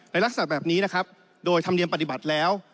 ลักษณะแบบนี้นะครับโดยธรรมเนียมปฏิบัติแล้ว